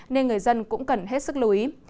nên người dân cũng cần hết sức lưu ý